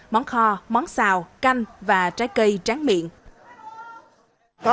món kho món xào canh và trái cây tráng miệng